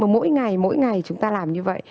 mà mỗi ngày chúng ta làm như vậy